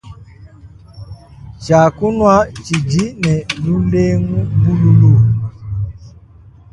Tshia kunua tshidi ne lulengu bululu.